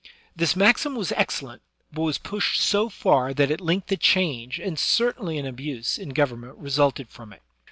This maxim was excellent, but was pushed so far that at length a change, and certainly an abuse, in govern ment, resulted from it.